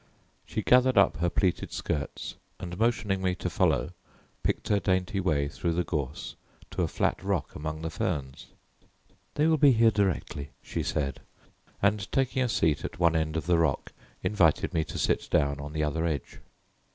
She gathered up her pleated skirts and motioning me to follow picked her dainty way through the gorse to a flat rock among the ferns. "They will be here directly," she said, and taking a seat at one end of the rock invited me to sit down on the other edge.